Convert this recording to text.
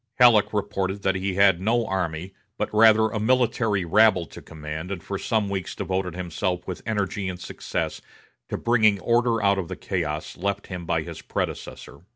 Halleck reported that he had no army, but, rather, a military rabble to command and for some weeks devoted himself with energy and success to bringing order out of the chaos left him by his predecessor.